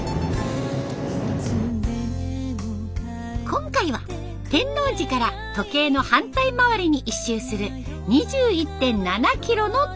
今回は天王寺から時計の反対回りに一周する２１．７キロの旅。